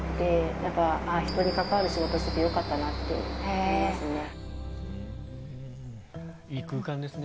やっぱ人に関わる仕事してて、よかったなって思いますね。